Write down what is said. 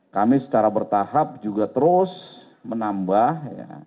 kami secara bertahap juga terus menambah